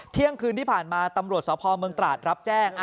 เที่ยงคืนที่ผ่านมาตำรวจสพเมืองตราดรับแจ้ง